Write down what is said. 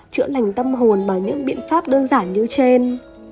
chữa lành tâm hồn bằng những biện pháp đơn giản như trên